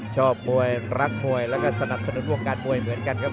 ชอบมวยรักมวยแล้วก็สนับสนุนวงการมวยเหมือนกันครับ